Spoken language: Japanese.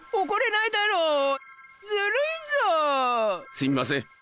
すみません